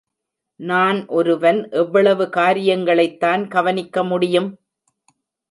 நான் ஒருவன் எவ்வளவு காரியங்களைத்தான் கவனிக்க முடியும்?